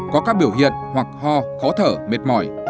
có các biểu hiện hoặc ho khó thở mệt mỏi